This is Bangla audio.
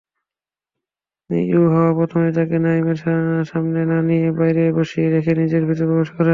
ইউহাওয়া প্রথমেই তাকে লাঈছের সামনে না নিয়ে বাইরে বসিয়ে রেখে নিজে ভিতরে প্রবেশ করে।